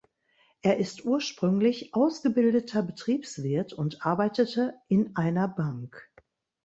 Er ist ursprünglich ausgebildeter Betriebswirt und arbeitete in einer Bank.